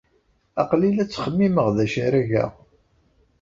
Aql-i la ttxemmimeɣ d acu ara geɣ.